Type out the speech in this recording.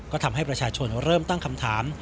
ก็ทำให้ประชาชนเริ่มตั้งคำถาม